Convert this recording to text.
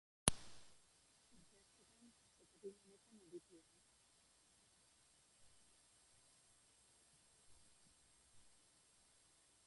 Urte askoan kazetari lanetan aritua.